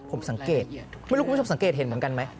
ผมสังเกตไม่รู้คุณผู้ชมสังเกตเห็นเหมือนกันไหม